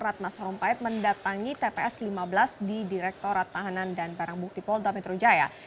ratna sarumpait mendatangi tps lima belas di direktorat tahanan dan barang bukti polda metro jaya